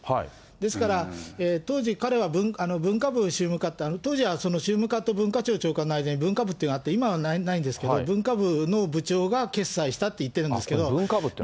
ですから、当時、彼は文化部宗務課って、当時は宗務課と文化庁長官の間に文化部っていうのがあって、今はないんですけど、文化部の部長が決裁したって言ってるんですけど。